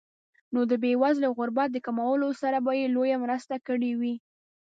نو د بېوزلۍ او غربت د کمولو سره به یې لویه مرسته کړې وي.